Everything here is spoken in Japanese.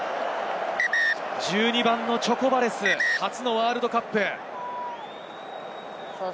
１２番のチョコバレス、初のワールドカップ。